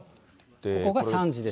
ここが３時です。